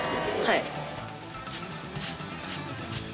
はい。